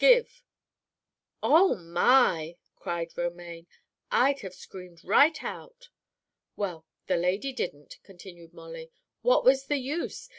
Give.'" "Oh, my!" cried Romaine. "I'd have screamed right out." "Well, the lady didn't," continued Molly. "What was the use?